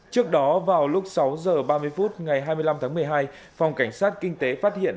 trước đó vào lúc sáu h ba mươi phút ngày hai mươi năm tháng một mươi hai phòng cảnh sát kinh tế phát hiện